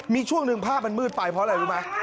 มีช่วงหนึ่งภาพมันมืดไปเพราะอะไรรู้ไหม